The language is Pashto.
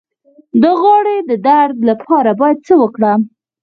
د غاړې د درد لپاره باید څه وکړم؟